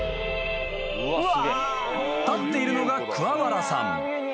［立っているのが桑原さん］